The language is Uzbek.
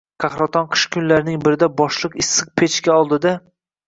Qahraton qish kunlarining birida boshliq issiq pechka oldida